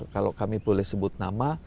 kalau kami boleh sebut nama